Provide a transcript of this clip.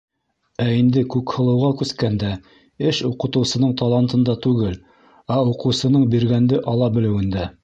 Ә инде Күкһылыуға күскәндә, эш уҡытыусының талантында түгел, уҡыусының биргәнде ала белеүендә.